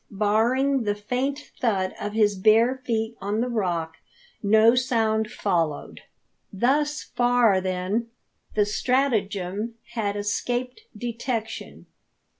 Barring the faint thud of his bare feet on the rock, no sound followed. Thus far, then, the stratagem had escaped detection.